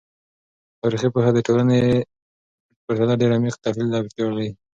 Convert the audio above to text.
تاریخي پوهنه د ټولنپوهنې په پرتله ډیر عمیق تحلیل ته اړتیا لري.